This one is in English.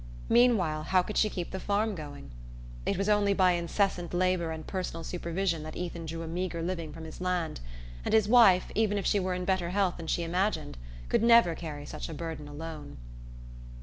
Meanwhile, how could she keep the farm going? It was only by incessant labour and personal supervision that Ethan drew a meagre living from his land, and his wife, even if she were in better health than she imagined, could never carry such a burden alone.